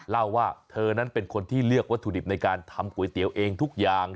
เล่าว่าเธอนั้นเป็นคนที่เลือกวัตถุดิบในการทำก๋วยเตี๋ยวเองทุกอย่าง